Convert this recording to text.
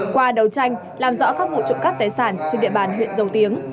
qua đấu tranh làm rõ các vụ trộm cắp tài sản trên địa bàn huyện dầu tiếng